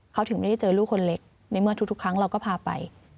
เขาถึงไม่ได้เจอลูกคนเล็กในเมื่อทุกครั้งเราก็พาไป